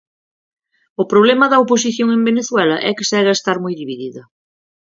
O problema da oposición en Venezuela é que segue a estar moi dividida.